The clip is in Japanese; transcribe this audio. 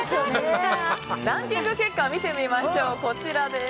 ランキング結果見てみましょう。